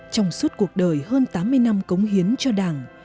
trong suốt cuộc đời hơn tám mươi năm cống hiến cho đảng